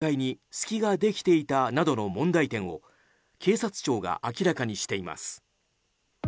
安倍元総理の後方の警戒に隙ができていたなどの問題点を警察庁が明らかにしています。